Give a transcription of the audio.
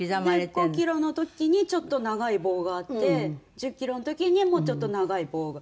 ５キロの時にちょっと長い棒があって１０キロの時にもうちょっと長い棒が。